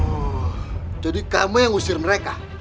oh jadi kamu yang ngusir mereka